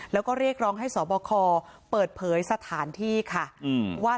แล้วก็เรียกร้องให้สบคเปิดเผยสถานที่ค่ะว่า